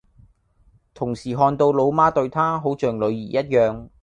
同時看到老媽對她好像女兒一樣